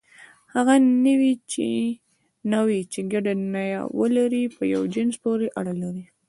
هغه نوعې، چې ګډه نیا ولري، په یوه جنس پورې اړه لري.